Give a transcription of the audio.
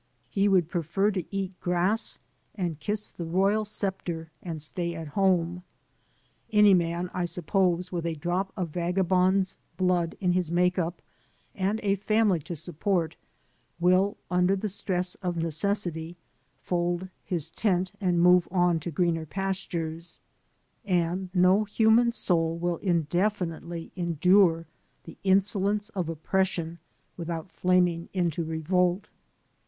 He would prefer to eat grass and kiss the royal scepter and stay at home. Any man, I suppose, with a drop of vagabond's blood in his make up and a family to support will, under the stress of necessity, fold his tent and move on to greener pastures; and no hiunan soul will indefinitely endure the insolence of oppression without flaming into revolt.